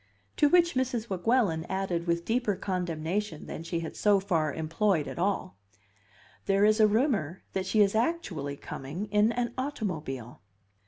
To which Mrs. Weguelin added with deeper condemnation than she had so far employed at all: "There is a rumor that she is actually coming in an automobile."